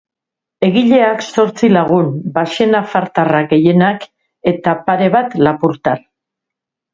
Egileak zortzi lagun, baxenafartarrak gehienak, eta pare bat lapurtar.